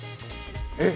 えっ！